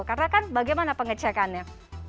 karena kan bagaimana pengecekannya